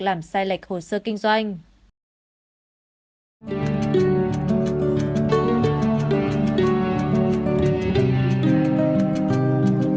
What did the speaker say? làm sai lệch hồ sơ kinh doanh